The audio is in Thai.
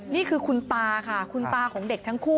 นี่คือคุณตาค่ะคุณตาของเด็กทั้งคู่